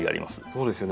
そうですよね。